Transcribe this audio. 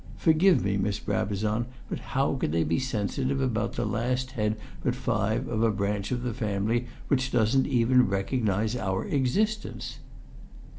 "Forgive me, Miss Brabazon, but how could they be sensitive about the last head but five of a branch of the family which doesn't even recognise our existence?"